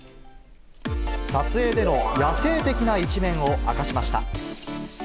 撮影での野性的な一面を明かしました。